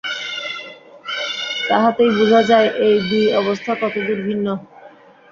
তাহাতেই বুঝা যায়, এই দুই অবস্থা কতদূর ভিন্ন।